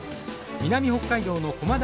南北海道の駒大